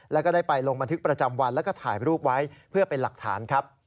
แล้วก็ได้ไปลงบันทึกประจำวันแล้วก็ถ่ายรูปไว้เพื่อเป็นหลักฐานครับ